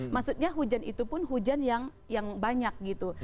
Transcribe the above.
maksudnya hujan itu pun hujan yang banyak gitu